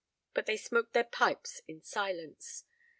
But they smoked their pipes in silence.